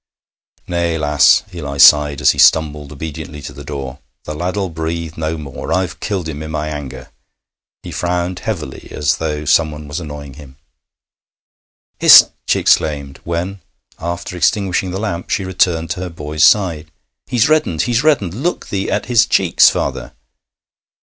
'Nay, lass,' Eli sighed, as he stumbled obediently to the door. 'The lad'll breathe no more. I've killed him i' my anger.' He frowned heavily, as though someone was annoying him. 'Hist!' she exclaimed, when, after extinguishing the lamp, she returned to her boy's side. 'He's reddened he's reddened! Look thee at his cheeks, father!'